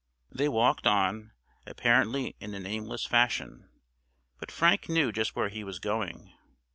They walked on, apparently in an aimless fashion, but Frank knew just where he was going.